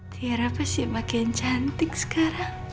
tiara pasti makin cantik sekarang